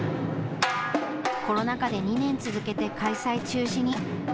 コロナ禍で２年続けて開催中止に。